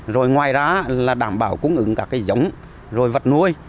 rồi ngoài ra là đảm bảo cung ứng các cái giống rồi vật nuôi